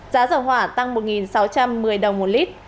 giá dầu hỏa tăng một sáu trăm một mươi đồng một lít